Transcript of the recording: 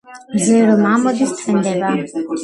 მზე რომ ამოდის თენდება!